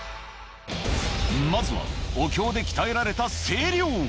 まずはお経で鍛えられた声量。